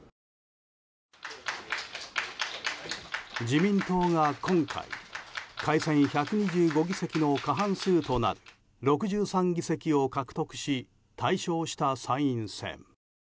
自民党が今回改選１２５議席の過半数となる６３議席を獲得し大勝した参院選。